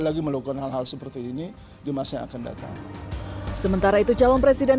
lagi melakukan hal hal seperti ini di masa yang akan datang sementara itu calon presiden